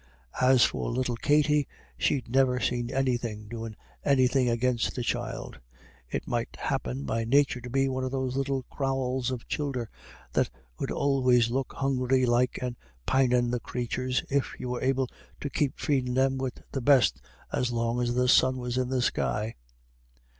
As for little Katty, "she'd never seen anybody doin' anythin' agin the child; it might happen by nature to be one of those little crowls of childer that 'ud always look hungry like and pinin', the crathurs, if you were able to keep feedin' them wid the best as long as the sun was in the sky."